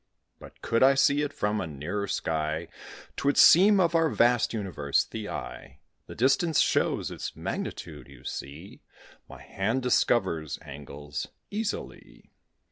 But could I see it from a nearer sky, 'Twould seem of our vast universe the eye: The distance shows its magnitude, you see; My hand discovers angles easily.